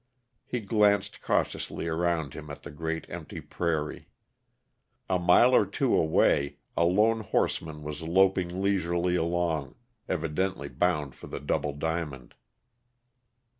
He glanced cautiously around him at the great, empty prairie. A mile or two away, a lone horseman was loping leisurely along, evidently bound for the Double Diamond.